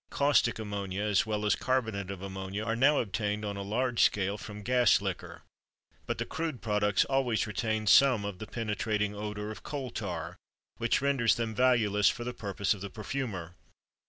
Caustic ammonia as well as carbonate of ammonia are now obtained on a large scale from "gas liquor," but the crude products always retain some of the penetrating odor of coal tar which renders them valueless for the purposes of the perfumer.